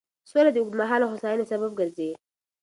سوله د اوږدمهاله هوساینې سبب ګرځي.